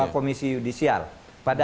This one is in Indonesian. komisi yudisial pada